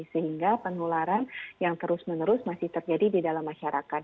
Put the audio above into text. sehingga penularan yang terus menerus masih terjadi di dalam masyarakat